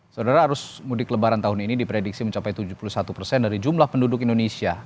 saudara arus mudik lebaran tahun ini diprediksi mencapai tujuh puluh satu persen dari jumlah penduduk indonesia